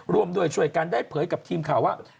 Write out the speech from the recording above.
ร่วมด้วยช่วยกันได้เผยกับทีมข่าวว่า